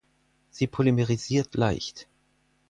Sie polymerisiert leicht.